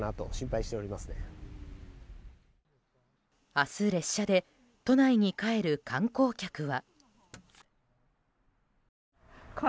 明日、列車で都内に帰る観光客は。